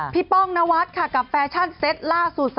ป้องนวัดค่ะกับแฟชั่นเซตล่าสุด